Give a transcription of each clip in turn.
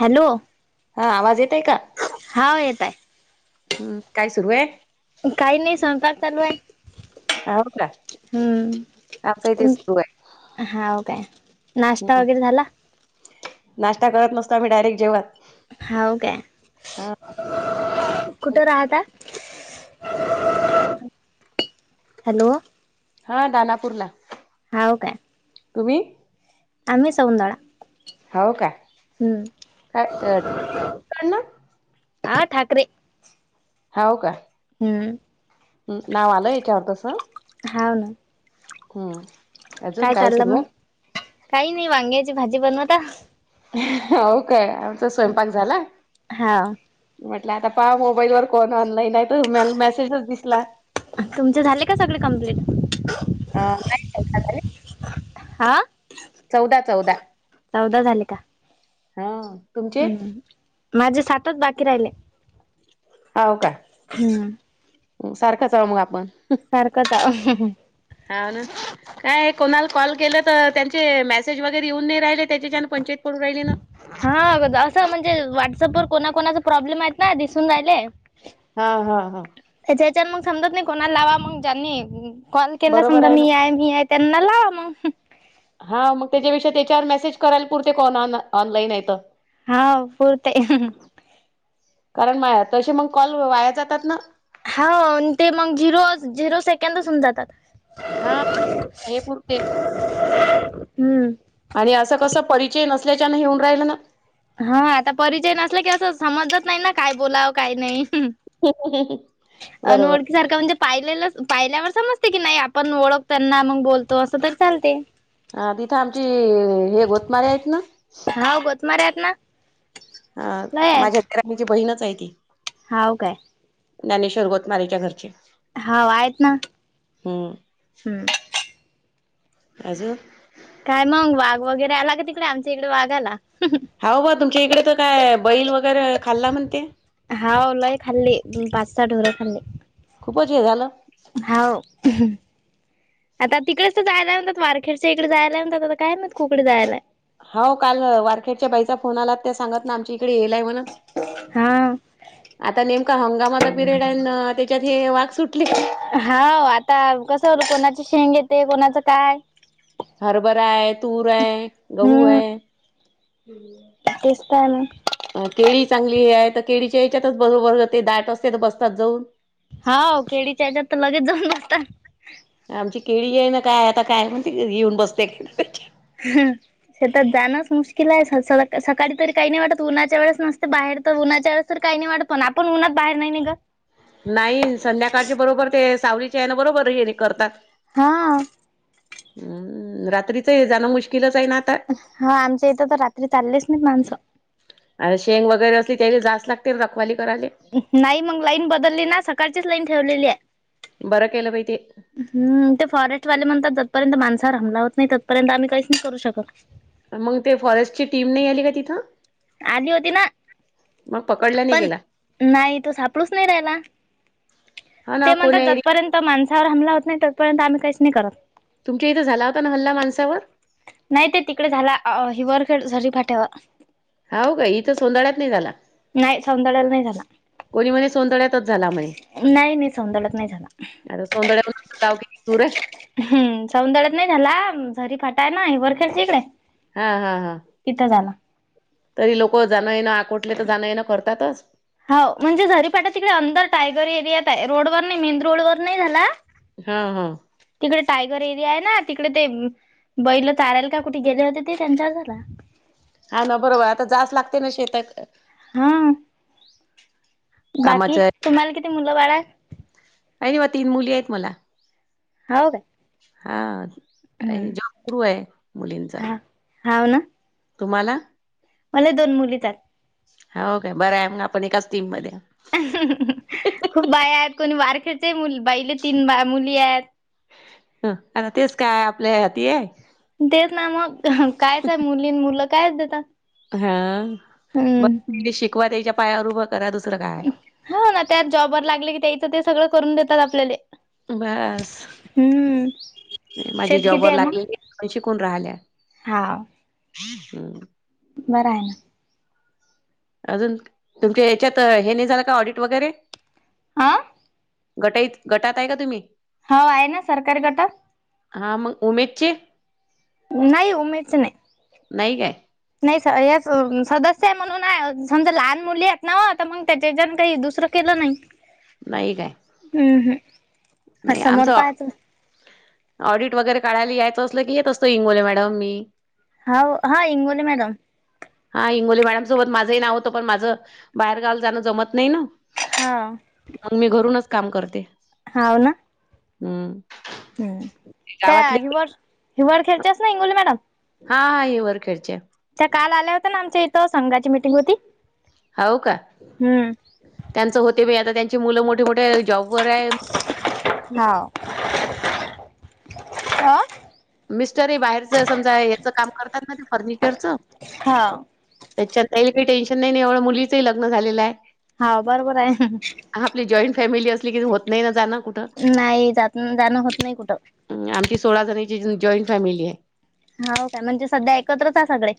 Hello. हा आवाज येतोय का? हाव येतय. हम्म! काय सुरू आहे? काही नाही स्वयंपाक चालू आहे. हो का आमचं इथे हम्म सुरू आहे. हाओ काय? नाश्ता हम्म वगैरे झाला? नाश्ता करत नसतो आम्ही डायरेक्ट जेवण हाओ काय? हा कुठं राहता? हॅलो. हा दानापूर ला. हाओ काय? तुम्ही? आम्ही सौंदळा. हाओ काय? हम्म काय, कायना? हा ठाकरे. आहो का? हम्म. हम् नाव आलं याच्यावर तस. हाव ना हम्म. अजून काय चाललं सुरू मग? आहे? काही नाही वांग्याची भाजी बनवता. हो का? आमचा स्वयंपाक झाला. हा म्हटलं आता पहा मोबाईल वर कोण ऑनलाईन आहे? तुमल मेसेजच दिसला. तुमचे झाले का सगळे कम्प्लीट ह नाही काय झालेले? ह. हा? चौदा, चौदा चौदा झाले का हा. तुमचे? हम्म, माझे सातच बाकी राहिले. हाव का? हम्म. सारखंचाव मग आपण. सारकच हाव. हाव ना? काय कोणाला कॉल केलं तर त्यांचे मेसेज वगैरे येऊन नाही राहिले त्याच्या च्यान पंचायत पडून राहिली ना? हा असं म्हणजे, व्हाट्सअपवर कोणा- कोणाचा प्रॉब्लेम आहेत ना, दिसून राहिले. हा, हा, हा. त्याच्या याच्यात मग समजत नाही, कोणाला लावा. मग ज्यांनी कॉल केला, बरोबर समजा ना मी आहे, मी आहे. त्यानला लावा मग. हं. हा मग त्याच्यापेक्षा, त्याच्यावर मेसेज करायला पुरते कॉन ऑनलाईन येतं. हा, पूर्तय. [unintelligible] कारण माया तसे मग कॉल वाया जातात नं. हो. ते मग झिरो- झिरो सेकंदच हुन जातात. हा. हे पुरते. हम्. आणी असं कसं. परिचय नसल्याच्यानं हेे, होउन राहिलं ना. हा आता परिचय नसला की, असं समजत नाही ना, काय बोलावं काय नाही. बरोबर अनवळखी सारखा म्हणजे पाहिलेलंच, पाहिल्यावर समजते की नाही, आपण ओळख त्यांना मग बोलतो. असं तर चालते. हा तिथं आमची, हे गोतमारे हायत ना. हा गोतमारे हायत ना. ह लय आहेत माझ्या [unintelligible] ची बहीणचय ती. हाव काय? ज्ञानेश्वर गोतमारेच्या घरचे. हाव, आहेत ना. हम्. अजून? काय मंग, वाघ वगैरे आला का तिकडे? आमच्या इकडे वाघ आला. [unintelligible] हाव बा तुमच्या ईकडे त काय, बैल वगैरे, खाल्ला म्हणते. हाव, लय खाल्ली. पाच- सहा ढोरं खाल्ली. खूपच हे झालं. हाव. [unintelligible] आता तिकडेच तर जायला म्हणतात वारखेडचे. इकडे जायला म्हणातात. आता काय माहित कुकडे जायला. हो, काल अ वारखेडच्या बाईचा फोन आला. त्या सांगत ना, आमच्या इकडे येयलय मन हां. आता नेमका हंगामाचा पिरियडय न त्याच्यात हे वाघ सुटले. हा. आता कसं, कोणाची शेंग येते. कोणाचं काय? हरभराय, तूरय, हम्म. गहूय. तेच ताय नं. अ केळी चांगलीय. तर केळीच्या याच्यातच बरोबर, ते दाट असते तर बसतात जाऊन. हाव, केळीच्या हच्यात तर, लगेच जाऊन बसतात. आमची केळीयेय ना, काय आता, काय मणते येऊन बसते का त्याच्यात. ह. शेतात जाणंच मुश्किलाय. स स सकाळी तरी काही नाही वाटत. उन्हाच्या वेळेस नुसतं बाहेर तर, उन्हाच्या वेळेस तर काही नाही वाटत. पण आपण उन्हात बाहेर नाही निगत. नाही. संध्याकाळच्या बरोबर ते, सावलीचे येनं बरोबर हे करतात. हां. ह. रात्रीच हे जाणं, मुश्किलचयनं आता. हा आमच्या इथं तर, रात्री चाललेच नाही माणसं. अ शेंग वगैरे असली त्यांले, जावच लागते रखवाली करायले. नाही, मग लाईन बदलली ना. सकाळचीच लाईन ठेवलेलीय. बरं केलं बाई ते. हम्म ते फॉरेस्ट वाले म्हणतात जतपर्यंत माणसावर हमला होत नाही तत्पर्यंत आम्ही काहीच नाही करू शकत. मग ते फॉरेस्ट ची टीम नाही आली का तिथं? आली होती ना, मग पकडला नाही पण गेला नाही तो सापडूच नाही राहायला. हा ना ते म्हणतात कोण्या एरिया जतपर्यंत माणसावर हमला होत नाही तोपर्यंत आम्ही काहीच नाही करत. तुमच्या इथं झाला होता ना हल्ला माणसावर? नाही ते तिकडे झाला अ हिवर खर झरी फाट्यावर. हौ का, इथं सोनंदाळ्यात निघाला. नाही सौंदाळला नाही झाला, सोंदळ्यातच झाला नाही नाही सौंदाळत नाही झाला. अरं सौंदाळ [unintelligible] पासून गाव किती दूर आहे. हम् सौंदाळत नाही झाला, झरी फाटाय ना ह वरखेरची इकडे. हा हा हा. तिथं झाला. तरी लोक जाण येणं आकोटले तर जाणं येनं करतातच? हौ म्हणजे झरीपाटा तिकडे अंदर टायगर एरियात आहे रोडवर नाही मेन रोड वर नाही झाला. हा हो. तिकडे टायगर एरिया आहे ना तिकडे ते. बैल चरायला का कुठे गेले होते ते त्यांच्यावर घरला. हा ना बरोबर आता जास् लागते ना शेतात. हम्म. बाकी, कामाचं तुम्हाला किती मुलं बाळ? [unintelligible] तीन मुली आहेत मला. हौ का? हा, जॉब [unintelligible] रू आहे मुलींचा. हौ ना? तुम्हाला? मला दोन मुलीचात. हो काे बरं आहे, मग आपण एकाच टीम मध्येय. खूप बाय आहेत कोणी वारखेडचे मुल बाईले तीन बाळ मुली आहेत. ह आता तेच काय आपल्या हाती आहे. तेच ना मग [unintelligible] मुलीन मुली काय होते त्यात. हा, मग मुली शिकवा त्यांच्या पायावर उभं करा दुसरं काय. हा ना त्यात जॉबवर लागले की त्यायचं ते सगळं करून देतात आपल्याले. अस, हम्म माझे शेत जॉबवर लागलेले पैसे कोण राहिल्या. हां. हम. बरं आहे ना. अजून, तुमच्या याच्यात हे नाही झालं का, ऑडिट वगैरे? आ गटईत, गटात आहे का तुम्ही? हो आहे ना सरकारी गटात. हा मग उमेयचे. नाही उमेय चे नाही. नाही काय नाही स, या स-सदस्य म्हणून [unintelligible] समजा लहान मुली आहेत नव आता मग. त्याच्याच्यान काही दुसरं केलं नाही. नाही काय. हम्म नाही समोर आमचं. पाहायचं ऑडिट वगैरे काढयला यायचं असलं की हेेत असतो इंगोले मॅडम मी. हा इंगवले मॅडम. हा इंगवले मॅडम सोबत माझंही नाव होतं पण माझं, बाहेरगावला जाण जमत नई न. हा. मग मी घरूनच काम करते. हाव ना. हम्म हम्, गावातले काय हिवर्स हिवर खेळत्यास व्हय इंगोली मॅडम. हा हिवर खेळत्या. त्या काल आल्या होत्या ना आमच्या इथं, संघाची मीटिंग होती. हाव क, हम्म त्यांच होते व्हय आता त्यांची मुलं मोठे मोठे जॉब वर आहे. हा. आ.. मिस्टरइ बाहेरच समजा यचं काम करतात ना ते फर्निचरच. हाव त्याच्यात त्याला कायी टेन्शन नायी आणि एवढं मुलीचंइ लग्न झालेलं आहे. हाव बरोबर आहे. आपली जॉईंट फॅमिली असली की होत नाही ना जाण कुठ नायी जात जाणं होत नाही कुठं. अं, आमची सोळा जणीची जॉईंट फॅमिली आहे. हाव काय, म्हणजे सध्या ऐकत्रच आहे सगळे.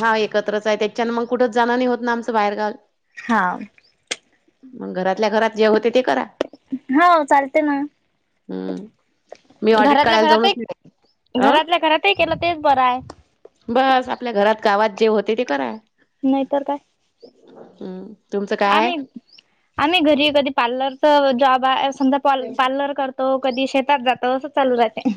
हा एकत्रच आहे त्याच्यान मंग कुठंच जाणं नाही होत ना आमचं बाहेरगावी. हा. मग घरातल्या घरात जे होते ते करा. ह चालतंय न. हम्म मी ऑडिट घरातल्या काढायला घरात जाऊनच एक नाही अ घरातल्या घरातही केलं तेच बरं आहे. बास आपल्या घरात गावात जे होते ते कराय नायीतर काय. हम्म तुमचं काय? आम्ही-आम्ही घरी कधी पार्लरच जॉब आहे समजा आहे? पार्ल-पार्लर कर तो कधी शेतात जातो असंच चालू राहतय.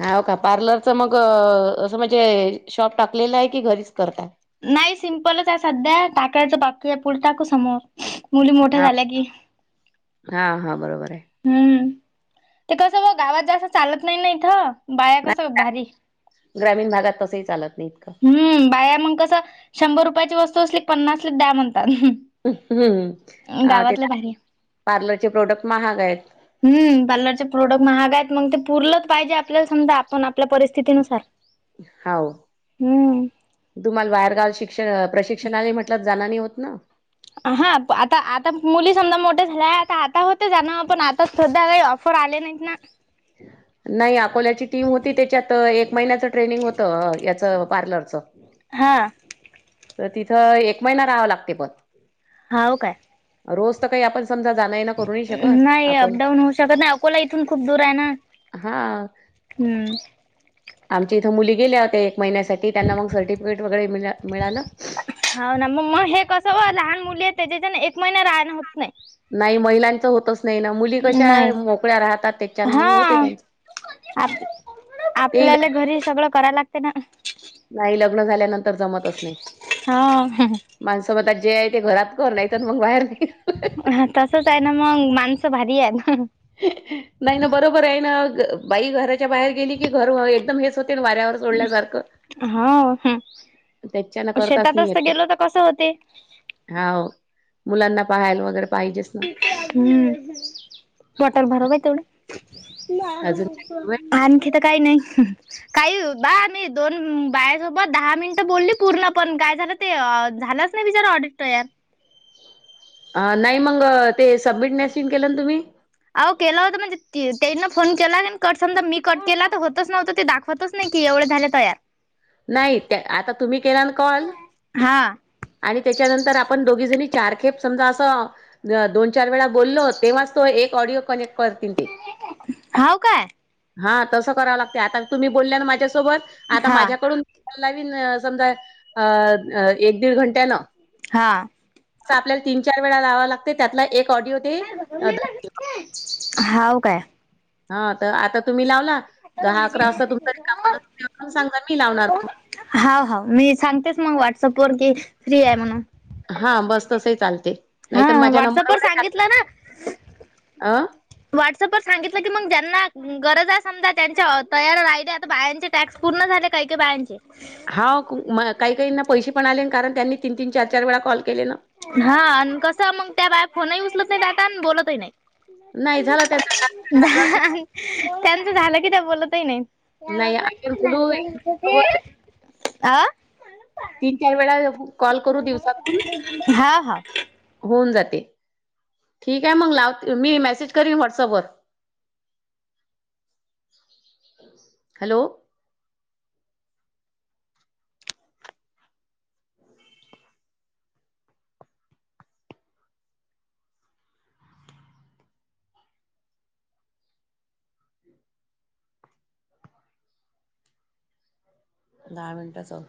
हाव का पार्लरच मग.. अ असं म्हणजे शॉप टाकलेलं आहे की घरीच करताय. नाही सिम्पलच आहे सध्या. टाकायचं बाकी आहे पुढ टाकू समोर मुली मोठ्या झाल्या की. हा-हा बरोबर आहे. हम्म, ते कसं ब गावात जसं चालत नाही न इथं बाहेर कसं नाही भारी. ग्रामीण भागात तसंही चालत नाही इतकं. हम्म बाहेर मंग कसं शंभर रुपयाची वस्तू असली पन्नासला द्या म्हणतात. उं.. ह्.. ह हा ते गावातले भारी पार्लर-पार्लर चे प्रोडक्ट महाग आहेत. हम्म पार्लरचे प्रोडक्ट महाग आहेत मग ते पुरलंच पाहिजे आपल्याला समजा आपण आपल्या परिस्थितीनुसार. हाव हम्म. तुम्हाला बाहेरगावल शिक्ष-प्रशिक्षण आहे म्हटल जाण नाही होत ना. अह. आता-आता मुली समजा मोठ्या झाल्या त आता होत जान पण आता सध्या लयी आॅफ फर आले नाहीत ना. [inaudible] नाही आकोल्याची टीम होती त्याच्यात, एक महिन्याचं ट्रेनिंग होतं. याचं पार्लरचं. हां. तर तिथ एक महिना रहाव लागते पण. हाव काय? रोज तर काही आपण समजा जान येन नाही अपडाऊन होऊ शकत नाही अकोला इथून खूप दूर आहे ना. हां. हम्म्. आमच्या इथ मुली गेल्या होत्या एक महिन्यासाठी त्यांना मग सर्टिफिकेट वगैरे मि मिळाल. हाव ना मग हे कस लहान मुली आहे त्याच्याच्यान एक महिना राहण होत नाही. नाही महिलांच होतच नाही ना मुली कशा नाही. मोकळ्या राहतात त्यांचान हा मग होते त्यांचे. आपल्याला घरी सगळ कराय लागते ना. नाही लग्न झाल्यानंतर जमतच नाही. हो माणस म्हणतात जे आहे ते घरात कर नाही मग बाहेर नीघ. तसच आहे ना मग माणस भारी आहेत. नाही ना बरोबर आहे ना बाई घराच्या बाहेर गेली की घर एकदम हेच होते वाऱ्यावर. सोडल्यासारख हा. त्यांच्यान करताच नाही शेतातच तर येत. गेलो तर कसं होते. हाव मुलांना पाहायला वगैरे पाहिजेच न. हम्म. बॉटल भरव बाई तेवढ अजून काय सुरू आहे? आणखी तर काही नाही. काही बा आणि मी दोन बायासोबत दहा मिनिट बोलली पूर्ण पण काय झाल. ते झालच नाही बिचारा ऑडिट तयार. नाही मग ते सबमिट नसिन केल ना तुम्ही. अहो केला होता म्हणजे त्यायन फोन केला कट समजा मी कट केला तर होतच नव्हता ते दाखव होतच नाही की एवढ झाल तयार. नाही त्या आता तुम्ही केला न कॉल. हां आणि त्याच्यानंतर आपण दोघी जणी चारखेप समजा अस दोन चार वेळा बोललो तेव्हाच तो एक ऑडिओ कनेक्ट. करतील तेे. हाव काय हा तस कराव लागते आता तुम्ही बोलल्या ना माझ्यासोबत आता हा माझ्याकडून लावीन समजा एक दीड घंट्यान. हा आपल्याला तीन चार लावावा लागते त्यातला एक ऑडिओ ते अ, धरतील. हाव काय. हा तर आता तुम्ही लावला दहा अकरा वाजता तुमचा रिकामा [unintelligible] पण ते सांगा मी लावणार. हाव हाव मी सांगतेच मग व्हॉट्सअप वर की फ्री आहे म्हणून. हां बस तसही चालते. नाही तर हां माझ्या व्हॉट्सअप वर नंबरवरही टाका सांगितल ना. अ व्हॉट्सअपवर सांगितल की मग ज्यांना गरज आहे समजा त्यांच्या तयार राहिली आता बायांचे टास्क पूर्ण झाले काय काय बायांचे. हां मग काही काहींना पैसे पण आले कारण त्यांनी तीन तीन चार चार वेळा कॉल केले ना. हां आणि कस मंग त्या बाया फोनही उचलत नाही आता आणि बोलतही नाही. नाही झाला त्यांचा टास्क त्यांना गरज त्यांच झाल कि त्या बोलतही नाही. नाही नाही आपण बोलू एकमेकांसोबत अ तीन चार वेळा कॉल करू दिवसातून. हा हा होऊन जाते ठीक आहे मग लाव मी मेसेज करीन व्हॉट्सअपवर. ह [unintelligible] हॅलो. दहा मिनटं चल